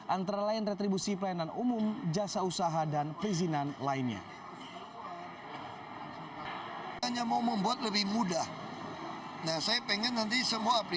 antara lain retribusi pelayanan umum jasa usaha dan perizinan lainnya